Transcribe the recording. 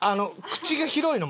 口が広いの。